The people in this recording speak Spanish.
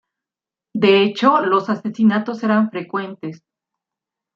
De hecho, los asesinatos eran frecuentes.